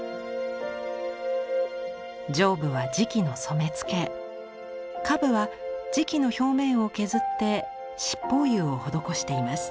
上部は磁器の染め付け下部は磁器の表面を削って七宝釉を施しています。